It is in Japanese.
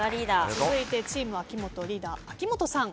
続いてチーム秋元リーダー秋元さん。